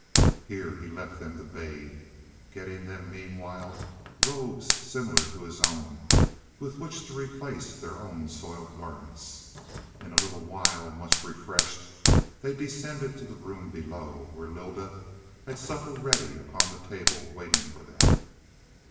Here he left them to bathe, getting them meanwhile robes similar to his own, with which to replace their own soiled garments. In a little while, much refreshed, they descended to the room below, where Lylda had supper ready upon the table waiting for them.